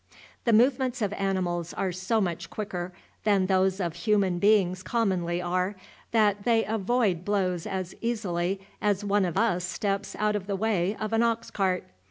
The movements of animals are so much quicker than those of human beings commonly are, that they avoid blows as easily as one of us steps out of the way of an ox cart.